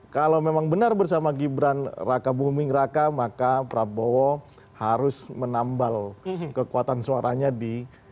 kalau memang benar bersama gibran raka buming raka maka prabowo harus menambal kekuatan suaranya di negara